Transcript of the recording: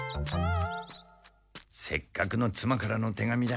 せっかくの妻からの手紙だ。